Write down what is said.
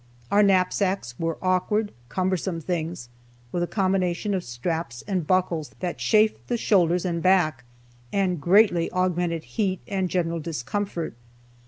Our knapsacks were awkward, cumbersome things, with a combination of straps and buckles that chafed the shoulders and back, and greatly augmented heat and general discomfort.